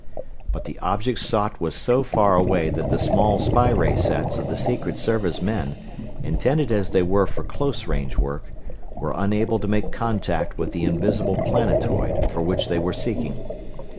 But the object sought was so far away that the small spy ray sets of the Secret Service men, intended as they were for close range work, were unable to make contact with the invisible planetoid for which they were seeking.